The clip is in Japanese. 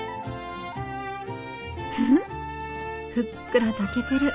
フフッふっくら炊けてる。